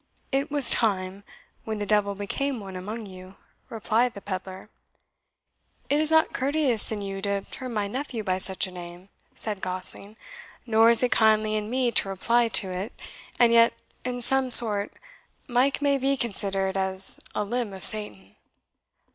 "It was time, when the devil became one among you," replied the pedlar. "It is not courteous in you to term my nephew by such a name," said Gosling, "nor is it kindly in me to reply to it; and yet, in some sort, Mike may be considered as a limb of Satan."